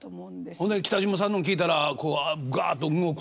そんで北島さんのを聴いたらこうぐわっと動く。